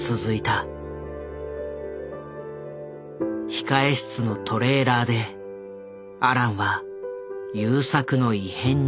控室のトレーラーでアランは優作の異変に気付いた。